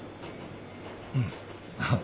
うん。ああ。